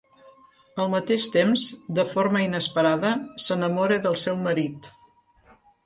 Al mateix temps, de forma inesperada, s’enamora del seu marit.